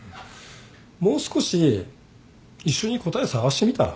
もう少し一緒に答え探してみたら？